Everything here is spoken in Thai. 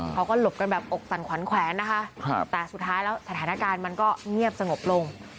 เขาก็หลบกันแบบอกสั่นขวัญแขวนนะคะแต่สุดท้ายแล้วสถานการณ์มันก็เงียบสงบลง